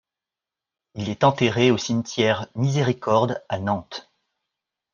Il est enterré au cimetière Miséricorde à Nantes.